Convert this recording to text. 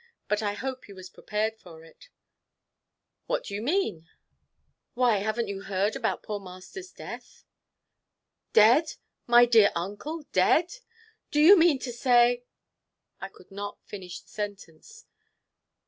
But I hope you was prepared for it." "What do you mean?" "Why, haven't you heard about poor master's death?" "Dead, my dear uncle dead! Do you mean to say" I could not finish the sentence.